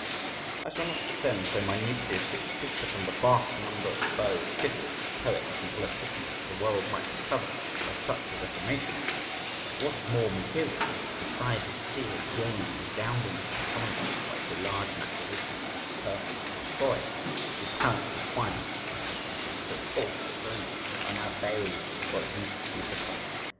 I shall not descend so minutely as to insist upon the vast number of beaux, fiddlers, poets, and politicians that the world might recover by such a reformation, but what is more material, beside the clear gain redounding to the commonwealth by so large an acquisition of persons to employ, whose talents and acquirements, if I may be so bold to affirm it, are now buried or at least misapplied.